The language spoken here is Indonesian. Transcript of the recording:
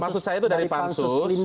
maksud saya itu dari pansus